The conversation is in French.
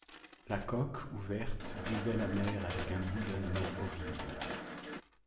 La coque, ouverte, buvait la mer avec un bouillonnement horrible.